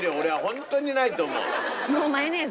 もうマヨネーズ？